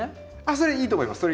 あっそれいいと思います。